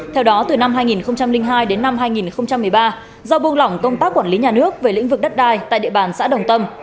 theo đó từ năm hai nghìn hai đến năm hai nghìn một mươi ba do buông lỏng công tác quản lý nhà nước về lĩnh vực đất đai tại địa bàn xã đồng tâm